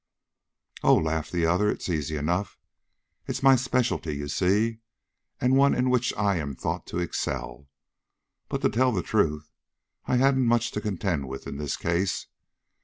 "Oh," laughed the other, "it is easy enough. It's my specialty, you see, and one in which I am thought to excel. But, to tell the truth, I hadn't much to contend with in this case.